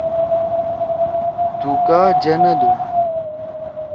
تُو کا جنَدُو؟